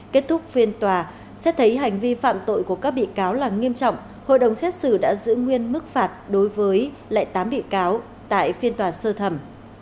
kết thúc phiên tòa xét thấy hành vi phạm tội của các bị cáo là nghiêm trọng hội đồng xét xử đã giữ nguyên mức phạt đối với tám bị cáo tại phiên tòa sơ thẩm